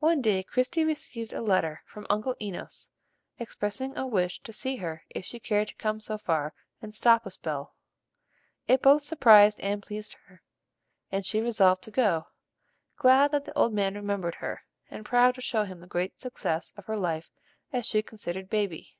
One day Christie received a letter from Uncle Enos expressing a wish to see her if she cared to come so far and "stop a spell." It both surprised and pleased her, and she resolved to go, glad that the old man remembered her, and proud to show him the great success of her life, as she considered Baby.